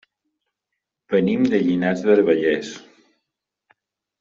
Venim de Llinars del Vallès.